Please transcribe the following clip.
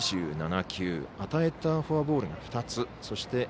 １２７球与えたフォアボールが２つ。